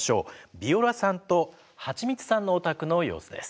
ビオラさんとはちみつさんのお宅の様子です。